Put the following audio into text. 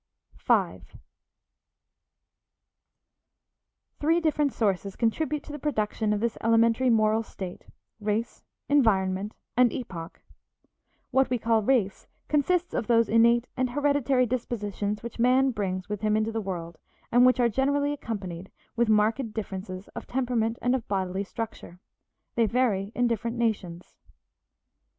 V Three different sources contribute to the production of this elementary moral state, race, environment, and epoch. What we call race consists of those innate and hereditary dispositions which man brings with him into the world and which are generally accompanied with marked differences of temperament and of bodily structure. They vary in different nations.